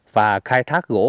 và khai thác gỗ